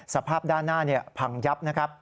สภาพด้านหน้าพังยับ